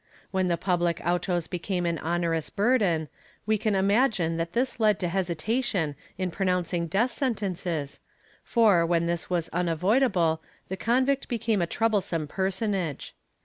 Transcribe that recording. When the public autos became an onerous burden, we can imagine that this led to hesitation in pronouncing death sentences for, when this was unavoidable, the convict became a troublesome personage.